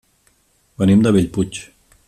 Venim de Bellpuig.